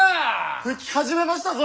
吹き始めましたぞ！